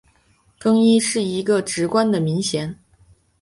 更衣是一个职官的名衔。